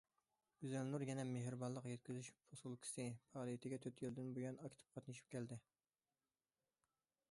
گۈزەلنۇر يەنە« مېھرىبانلىق يەتكۈزۈش پوسۇلكىسى» پائالىيىتىگە تۆت يىلدىن بۇيان ئاكتىپ قاتنىشىپ كەلدى.